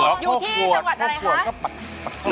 อยู่ที่จังหวัดอะไรคะ